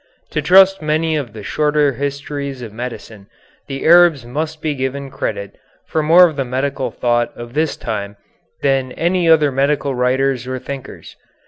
To trust many of the shorter histories of medicine the Arabs must be given credit for more of the medical thought of this time than any other medical writers or thinkers.